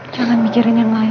jangan mikirin yang lain